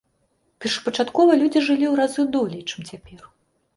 Першапачаткова людзі жылі ў разы долей, чым цяпер.